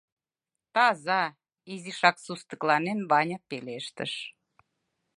— Таза, — изишак сустыкланен, Ваня пелештыш.